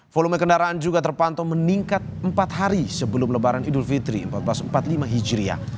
volume kendaraan juga terpantau meningkat empat hari sebelum lebaran idul fitri seribu empat ratus empat puluh lima hijriah